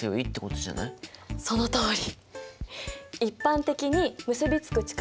そのとおり！